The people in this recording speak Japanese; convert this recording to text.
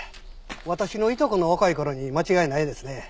私のいとこの若い頃に間違いないですね。